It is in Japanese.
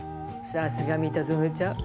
さすが三田園ちゃん。